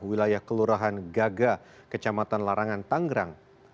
wilayah kelurahan gaga kecamatan larangan tanggerang